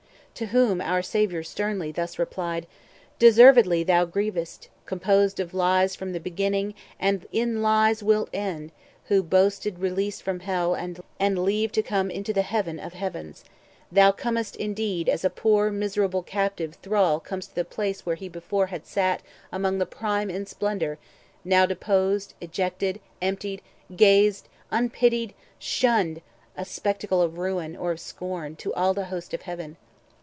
To whom our Saviour sternly thus replied:— "Deservedly thou griev'st, composed of lies From the beginning, and in lies wilt end, Who boast'st release from Hell, and leave to come Into the Heaven of Heavens. Thou com'st, indeed, 410 As a poor miserable captive thrall Comes to the place where he before had sat Among the prime in splendour, now deposed, Ejected, emptied, gazed, unpitied, shunned, A spectacle of ruin, or of scorn, To all the host of Heaven.